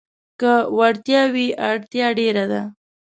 که وړتيا وي، اړتيا ډېره ده.